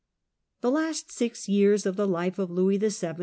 The last six years of the life of Louis VII.